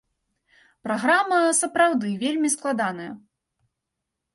Праграма сапраўды вельмі складаная.